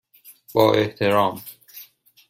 با احترام،